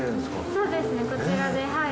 そうですねこちらではい。